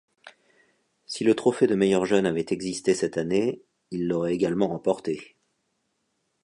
Si le trophée de meilleur jeune avait existé cette année, il l'aurait également remporté.